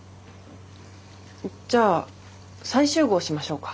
じゃあ再集合しましょうか。